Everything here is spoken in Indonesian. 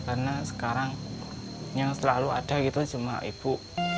karena sekarang yang selalu ada gitu cuma ibu